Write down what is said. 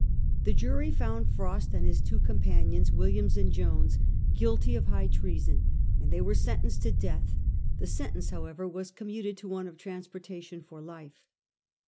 The jury found Frost and two of his companions, Williams and Jones, guilty of high treason, and they were sentenced to death ; the sentence, however, was commuted to one of trans portation for life.